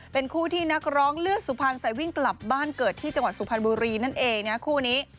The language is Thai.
เป็นคู่ที่นักร้องเลือดสุพรรณใส่วิ่งกลับบ้านเกิดที่จังหวัดสุพรรณบุรีนั่นเองนะคู่นี้